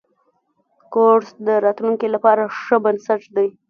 کورس د راتلونکي لپاره ښه بنسټ دی.